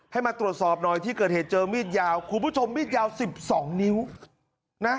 ให้มาตรวจสอบหน่อยที่เกิดเหตุเจอมีดยาวคุณผู้ชมมีดยาว๑๒นิ้วนะ